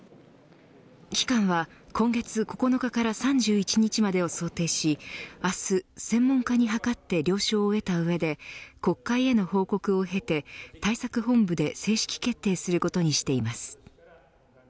期間は、今月９日から３１日までを想定し明日、専門家に諮って了承を得た上で国会への報告を経て対策本部で正式決定することにしています。